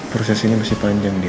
proses ini masih panjang